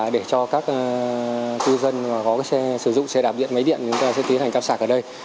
để cho các cư dân có xe sử dụng xe đạp điện máy điện chúng ta sẽ tiến hành cắm sạc ở đây